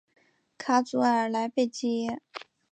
卡祖尔莱贝济耶。